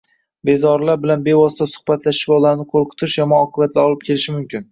Bezorilar bilan bevosita suhbatlashish va ularni qo‘rqitish yomon oqibatlarga olib kelishi mumkin.